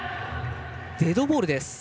デッドボールです。